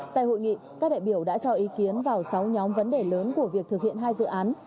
tại hội nghị các đại biểu đã cho ý kiến vào sáu nhóm vấn đề lớn của việc thực hiện hai dự án